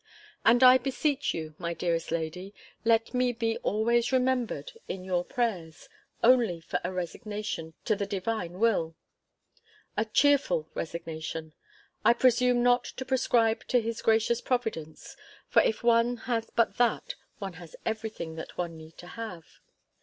And I beseech you, my dearest lady, let me be always remembered in your prayers only for a resignation to the Divine will; a cheerful resignation! I presume not to prescribe to his gracious Providence; for if one has but that, one has every thing that one need to have.